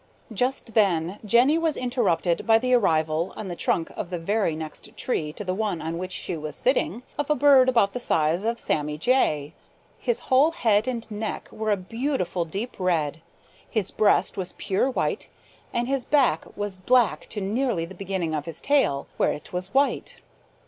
Just then Jenny was interrupted by the arrival, on the trunk of the very next tree to the one on which she was sitting, of a bird about the size of Sammy Jay. His whole head and neck were a beautiful, deep red. His breast was pure white, and his back was black to nearly the beginning of his tail, where it was white.